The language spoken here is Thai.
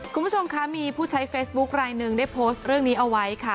คุณผู้ชมคะมีผู้ใช้เฟซบุ๊คลายหนึ่งได้โพสต์เรื่องนี้เอาไว้ค่ะ